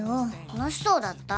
楽しそうだった。